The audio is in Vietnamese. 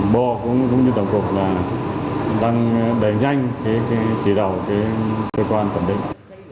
bộ cũng như tổng cục đang đẩy nhanh chỉ đẩu cơ quan thẩm định